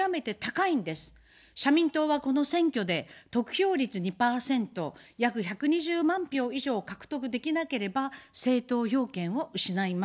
社民党はこの選挙で、得票率２％、約１２０万票以上獲得できなければ、政党要件を失います。